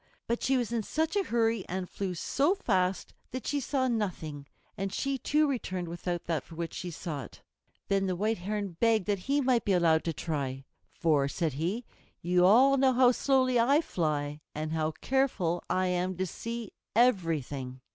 But she was in such a hurry and flew so fast that she saw nothing, and she too returned without that for which she sought. Then the White Heron begged that he might be allowed to try. "For," said he, "you all know how slowly I fly, and how careful I am to see everything."